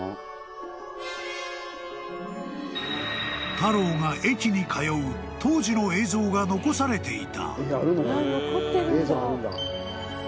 ［タローが駅に通う当時の映像が残されていた］